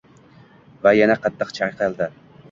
Va yana qattiq chayqaldi.